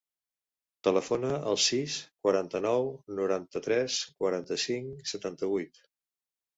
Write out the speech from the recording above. Telefona al sis, quaranta-nou, noranta-tres, quaranta-cinc, setanta-vuit.